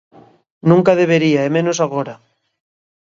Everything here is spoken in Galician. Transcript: Nunca debería e menos agora.